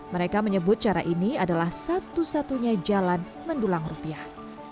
mereka menyebut cara ini adalah satu satunya jalan mendulang rupiah